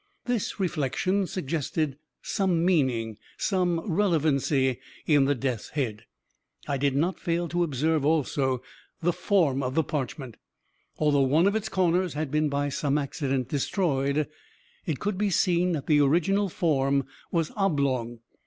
This reflection suggested some meaning some relevancy in the death's head. I did not fail to observe, also, the form of the parchment. Although one of its corners had been, by some accident, destroyed, it could be seen that the original form was oblong.